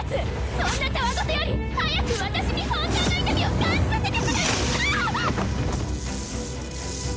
そんなたわ言より早く私に本当の痛みを感じさせてくだああっ！